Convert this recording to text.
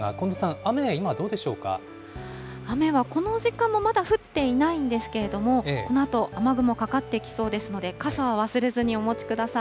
雨はこの時間もまだ降っていないんですけれども、このあと雨雲かかってきそうですので、傘は忘れずにお持ちください。